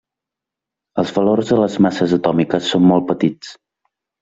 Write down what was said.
Els valors de les masses atòmiques són molt petits.